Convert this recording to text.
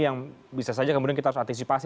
yang bisa saja kemudian kita harus antisipasi